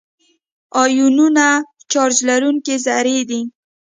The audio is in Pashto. آیونونه چارج لرونکي ذرې دي.